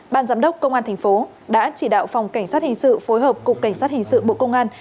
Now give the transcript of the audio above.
ban giám đốc công an thành phố đã chỉ đạo phòng cảnh sát hình sự phối hợp cục cảnh sát hình sự bộ công an